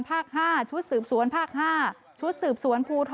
ทชุดเสืบสวน๕